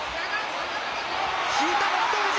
引いた北勝富士。